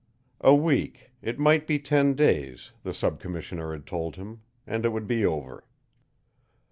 A week it might be ten days, the sub commissioner had told him, and it would be over.